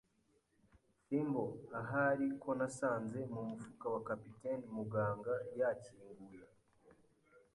thimble, ahari, ko nasanze mumufuka wa capitaine. Muganga yakinguye